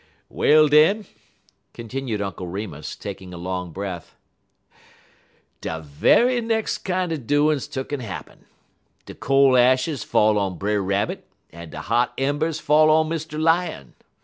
"Well, den," continued Uncle Remus, taking a long breath, "de ve'y same kinder doin's tuck'n happen. De cole ashes fall on Brer Rabbit, en de hot embers fall on Mr. Lion.